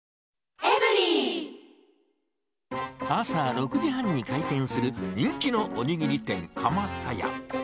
朝６時半に開店する人気のおにぎり店、蒲田屋。